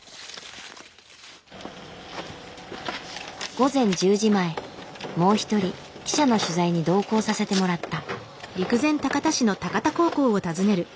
午前１０時前もう一人記者の取材に同行させてもらった。